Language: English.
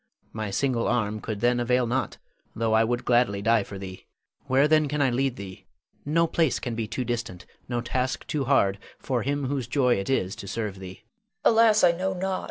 My single arm could then avail not, though I would gladly die for thee. Where then can I lead thee, no place can be too distant, no task too hard for him whose joy it is to serve thee. Leonore. Alas! I know not.